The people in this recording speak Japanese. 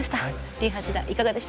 林八段いかがでしたか？